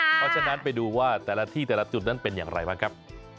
เพราะฉะนั้นไปดูว่าแต่ละที่แต่ละจุดนั้นเป็นอย่างไรบ้างครับ